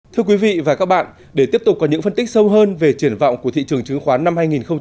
thưa quý vị và các bạn để tiếp tục có những phân tích sâu hơn về triển vọng của thị trường chứng khoán năm hai nghìn hai mươi